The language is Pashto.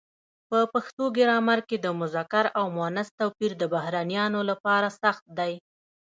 په پښتو ګرامر کې د مذکر او مونث توپیر د بهرنیانو لپاره سخت دی.